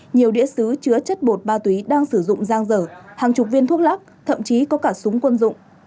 nhiều đĩa xứ chứa chất bột ma túy đang sử dụng giang dở hàng chục viên thuốc lắc thậm chí có cả súng quân dụng